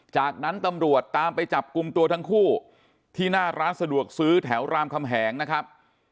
จากนั้นตำรวจตามไปจับกลุ่มตัวทั้งคู่ที่หน้าร้านสะดวกซื้อแถวรามคำแหงนะครับ